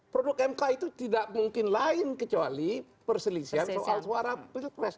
produk mk itu tidak mungkin lain kecuali perselisihan soal suara pilpres